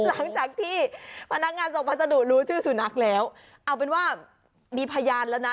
หลังจากที่พนักงานส่งพัสดุรู้ชื่อสุนัขแล้วเอาเป็นว่ามีพยานแล้วนะ